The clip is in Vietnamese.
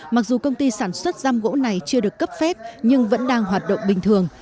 mặc dù công ty sản xuất giam gỗ này chưa được cấp phép nhưng vẫn đang hoạt động bình thường